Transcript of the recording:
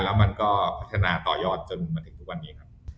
แล้วมันก็พัฒนาต่อยอดจนมาถึงทุกวันนี้ครับ